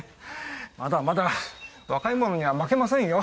まだまだ若い者には負けませんよ。